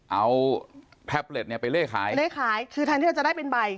เอาทับเล็ตไปเลขายเลขายคือทางที่เราจะได้เป็นใบ